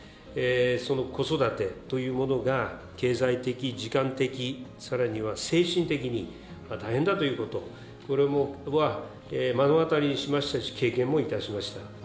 その子育てというものが、経済的、時間的、さらには精神的に大変だということ、これは目の当たりにしましたし、経験もいたしました。